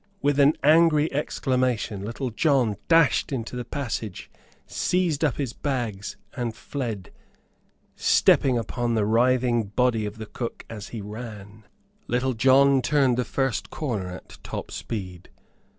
With an angry exclamation Little John dashed into the passage, seized up his bags, and fled, stepping upon the writhing body of the cook as he ran. Little John turned the first corner at top speed.